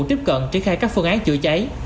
tiếp cận triển khai các phương án chữa cháy